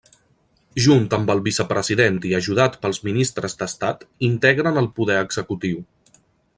Junt amb el vicepresident i ajudat pels ministres d'estat integren el poder executiu.